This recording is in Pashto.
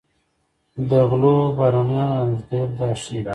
د غلو بارونیانو رامنځته کېدل دا ښيي.